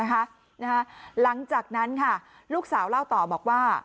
หลังจากนั้นค่ะลูกสาวเล่าต่อบอกว่า